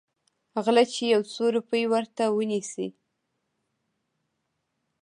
غله چې يو څو روپۍ ورته ونيسي.